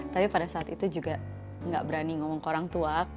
tapi pada saat itu juga nggak berani ngomong ke orang tua